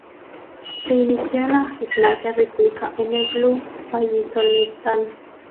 Se inició en la gimnasia rítmica en el Club Vallisoletano.